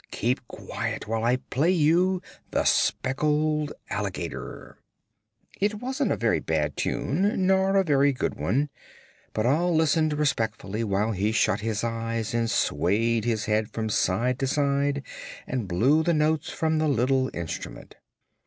Keep quiet while I play you 'The Speckled Alligator.'" It wasn't a very bad tune, nor a very good one, but all listened respectfully while he shut his eyes and swayed his head from side to side and blew the notes from the little instrument.